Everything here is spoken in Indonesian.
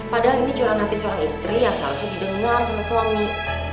padahal ini curah nanti seorang istri yang seharusnya didengar sama suami